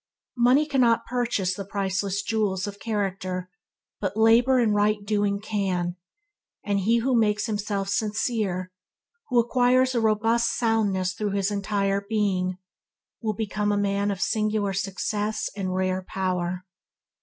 Money cannot purchase the priceless jewels of character, but labour in right doing can, and he who makes himself sincere, who acquires a robust soundness throughout his entire being, will become a man of singular success and rare power.